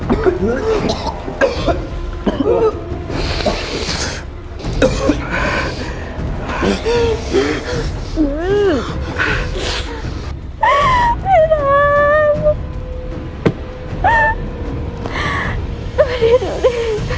ดูนี่ดูนี่